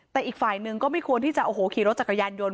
แต่อีกฝ่ายหนึ่งก็ไม่ควรที่จะโอ้โหขี่รถจักรยานยนต์